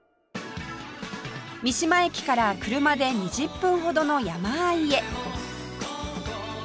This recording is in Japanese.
三島駅から車で２０分ほどの山あいへ